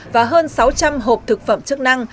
và hơn sáu trăm linh hộp thực phẩm chức năng